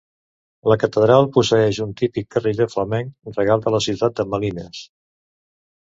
La catedral posseeix un típic carilló flamenc, regal de la ciutat de Malines.